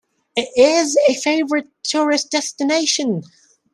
It is a favourite tourist destination.